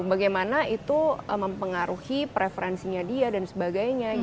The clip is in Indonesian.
bagaimana itu mempengaruhi preferensinya dia dan sebagainya